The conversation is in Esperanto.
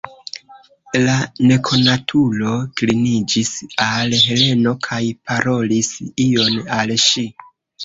La nekonatulo kliniĝis al Heleno kaj parolis ion al ŝi.